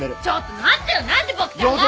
ちょっと待ってよ！